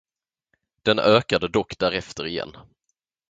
Den ökade dock därefter igen.